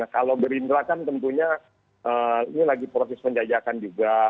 kalau gerindra kan tentunya ini lagi proses penjajakan juga